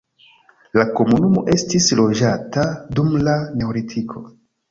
La komunumo estis loĝata dum la neolitiko.